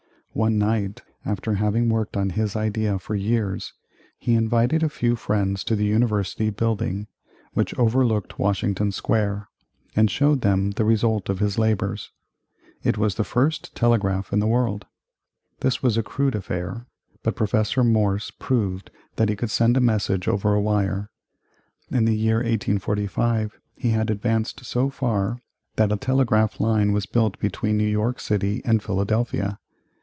One night, after having worked on his idea for years, he invited a few friends to the University building, which overlooked Washington Square, and showed them the result of his labors. It was the first telegraph in the world. This was a crude affair, but Professor Morse proved that he could send a message over a wire. In the year 1845 he had advanced so far that a telegraph line was built between New York City and Philadelphia.